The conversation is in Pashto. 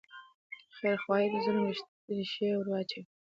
خیرخواهي د ظلم ریښې وروچوي.